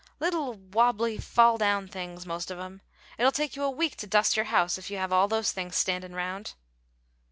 "Little wabbly, fall down things, most of 'em. It'll take you a week to dust your house if you have all those things standin' round."